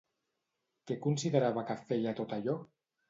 Què considerava que feia tot allò?